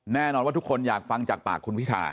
แน่นอนว่าทุกคนอยากฟังจากปากคุณพิธา